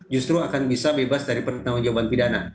justru akan bisa bebas dari pertanggung jawaban pidana